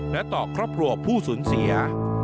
และต่อครอบครัวผู้สูญเสีย